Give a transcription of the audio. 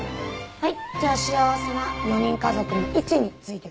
はい。